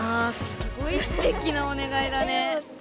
すごいすてきなお願いだね。